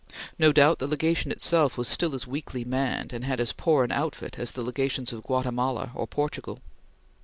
No doubt, the Legation itself was still as weakly manned and had as poor an outfit as the Legations of Guatemala or Portugal.